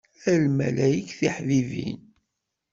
A lmalayek tiḥbibin.